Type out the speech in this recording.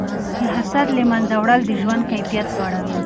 د حسد له منځه وړل د ژوند کیفیت لوړوي.